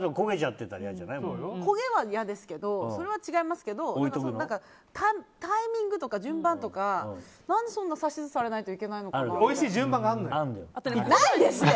焦げは嫌ですけどそれは違いますけどタイミングとか順番とかなんでそんな指図されないといけないんだろうって。